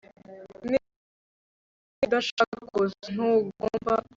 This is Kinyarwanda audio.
Niba mubyukuri udashaka kuza ntugomba